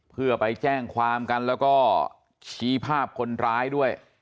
เพื่อไปแจ้งความกันแล้วก็ชี้ภาพคนร้ายด้วย